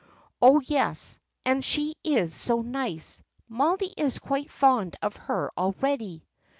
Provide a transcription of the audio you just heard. "Oh, yes; and she is so nice. Mollie is quite fond of her already."